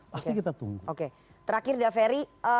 pasti kita tunggu oke terakhir daveri